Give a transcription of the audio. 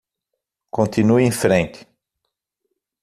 Continue em frente